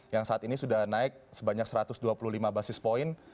yang saat ini sudah naik sebanyak satu ratus dua puluh lima basis point